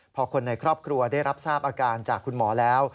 พอคนในครอบครัวได้รับทราบอาการจากคุณหมอแล้ว